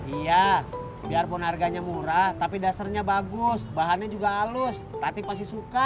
iya biarpun harganya murah tapi dasarnya bagus bahannya juga halus tapi pasti suka